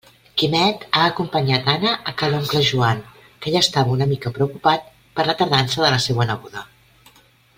Quimet ha acompanyat Anna a ca l'oncle Joan, que ja estava una mica preocupat per la tardança de la seua neboda.